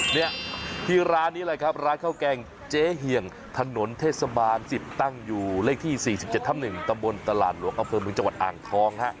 เนี่ยที่ร้านนี้เลยครับร้านข้าวแกงเจ๊เหี่ยงถนนเทศบาล๑๐ตั้งอยู่เลขที่๔๗ทับ๑ตำบลตลาดหลวงอำเภอเมืองจังหวัดอ่างทองฮะ